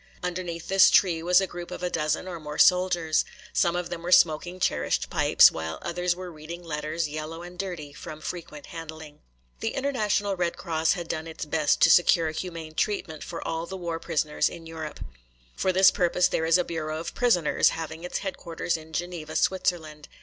Underneath this tree was a group of a dozen or more soldiers. Some of them were smoking cherished pipes, while others were reading letters, yellow and dirty from frequent handling. The International Red Cross had done its best to secure humane treatment for all the war prisoners in Europe. For this purpose there is a Bureau of Prisoners, having its headquarters in Geneva, Switzerland.